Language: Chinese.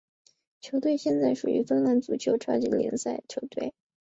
球队现在属于芬兰足球超级联赛球队。